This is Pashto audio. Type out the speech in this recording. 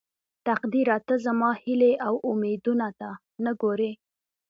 تقديره ته زما هيلې او اميدونه ته نه ګورې.